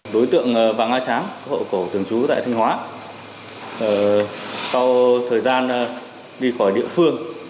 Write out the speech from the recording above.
đối tượng vàng a tráng hộ khẩu thường trú tại thanh hóa sau thời gian đi khỏi địa phương